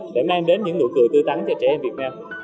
để mang đến những nụ cười tư tắn cho trẻ em việt nam